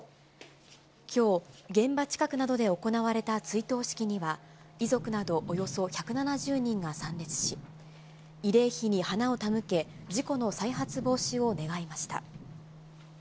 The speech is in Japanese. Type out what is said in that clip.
きょう、現場近くなどで行われた追悼式には、遺族など、およそ１７０人が参列し、慰霊碑に花を手向け、事故の再発防止を願いました。